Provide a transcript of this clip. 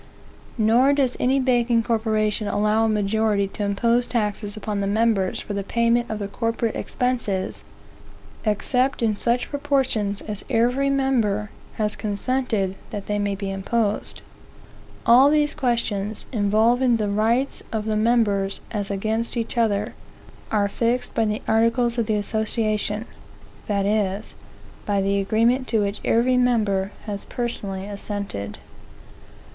Nor does any banking corporation allow a majority to impose taxes upon the members for the payment of the corporate expenses, except in such proportions as every member has consented that they may be imposed. All these questions, involving the rights of the members as against each other, are fixed by the articles of the association, that is, by the agreement to which every member has personally assented.